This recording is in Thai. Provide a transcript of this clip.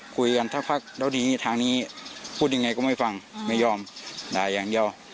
คุยกันสักพักแล้วดีทางนี้พูดยังไงก็ไม่ฟังไม่ยอมด่าอย่างเดียว